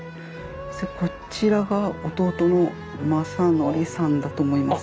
こちらが弟の正徳さんだと思います。